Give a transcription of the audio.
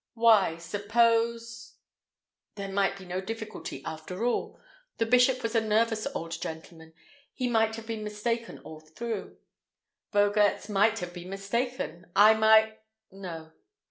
Why—suppose—there might be no difficulty after all! The bishop was a nervous old gentleman. He might have been mistaken all through, Bogaerts might have been mistaken, I might—no.